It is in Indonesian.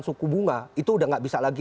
suku bunga itu sudah tidak bisa lagi